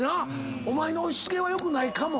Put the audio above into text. お前の押し付けは良くないかも。